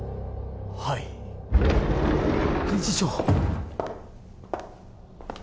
はい理事長